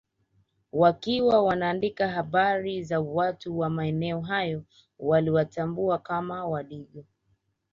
Wakiwa wanaandika habari za watu wa maeneo hayo waliwatambua kama Wadigo